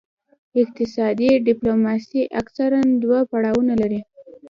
اقتصادي ډیپلوماسي اکثراً دوه پړاوونه لري